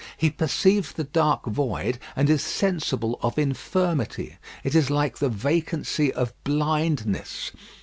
He perceives the dark void and is sensible of infirmity. It is like the vacancy of blindness.